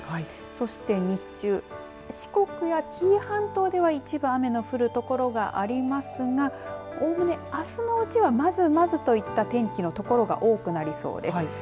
そして日中、四国や紀伊半島では一部、雨の降る所がありますがおおむね、あすのうちはまずまずといった天気の所が多くなりそうです。